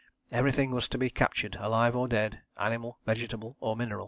Everything was to be captured, alive or dead, animal, vegetable or mineral.